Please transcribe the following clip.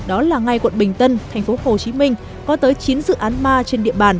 đó là ngay quận bình tân tp hcm có tới chín dự án ma trên địa bàn